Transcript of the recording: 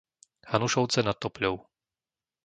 Hanušovce nad Topľou